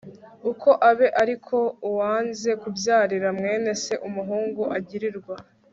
uko abe ari ko uwanze kubyarira mwene se umuhungu agirirwa